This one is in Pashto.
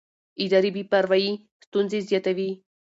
اداري بې پروایي ستونزې زیاتوي